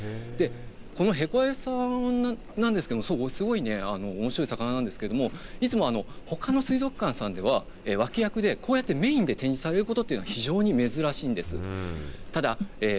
このヘコアユさんなんですけれどもすごいおもしろい魚なんですけど、いつもほかの水族館さんでは脇役でこうやってメインで展示されることは非常に珍しいんです。